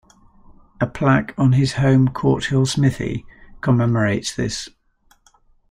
A plaque on his home, Courthill Smithy, commemorates this.